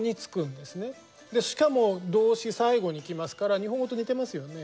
しかも動詞最後にきますから日本語と似てますよね。